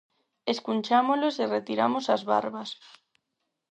Escunchámolos e retiramos as barbas.